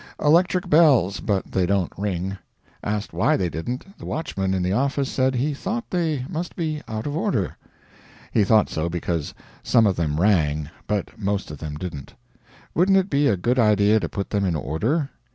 Electric bells, but they don't ring. Asked why they didn't, the watchman in the office said he thought they must be out of order; he thought so because some of them rang, but most of them didn't. Wouldn't it be a good idea to put them in order?